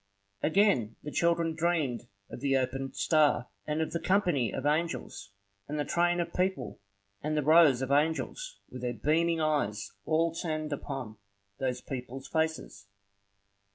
Again the child dreamed of the opened star, and of the company of angels, and the train of people, and the rows of angels with their beaming eyes all turned upon those people's faces.